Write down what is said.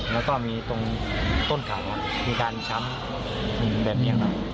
แล้วก็มีตรงต้นเข่ามีการช้ำแบบนี้ครับ